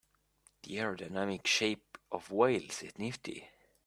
The aerodynamic shape of whales is nifty.